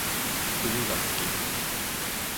冬が好き